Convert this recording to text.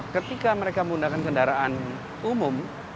ketika mereka menggunakan kendaraan umum